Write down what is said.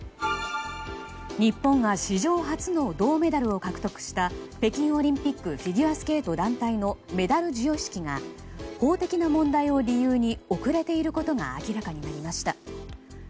日本が史上初の銅メダルを獲得した北京オリンピックフィギュアスケート団体のメダル授与式が法的な問題を理由に遅れていることが明らかになりました。